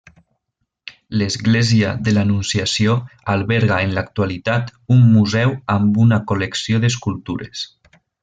L'església de l'Anunciació alberga en l'actualitat un museu amb una col·lecció d'escultures.